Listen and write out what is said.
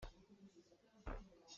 Sumsel cu a thawng a thang kho ngai.